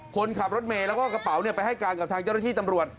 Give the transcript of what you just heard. คนขับรถเมย์กระเป๋าเนี่ยไปให้กลางกับทางเจ้าที่ตำรวจ